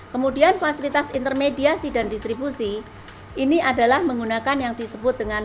kemudian fasilitas intermediasi dan distribusi ini adalah menggunakan yang disebut dengan